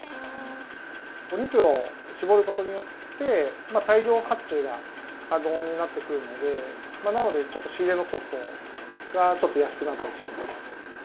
お肉を絞ることによって、大量発注が可能になってくるので、なのでちょっと仕入れのコストがちょっと安くなったりします。